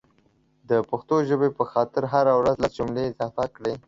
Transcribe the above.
دا پښتو ژبې په خاطر هره ورځ لس جملي اضافه کړئ